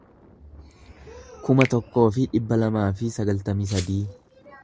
kuma tokkoo fi dhibba lamaa fi sagaltamii sadii